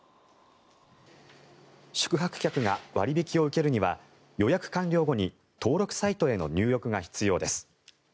宿泊客が割引を受けるには予約完了後に登録サイトへの入力が必要です。